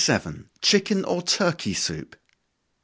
_Chicken or Turkey Soup.